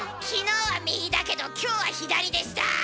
昨日は右だけど今日は左でした！